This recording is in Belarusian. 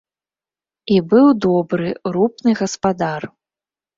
І быў добры, рупны гаспадар.